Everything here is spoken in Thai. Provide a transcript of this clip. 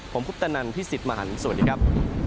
ผมพุทธนันทร์พี่สิทธิ์มหาลสวัสดีครับ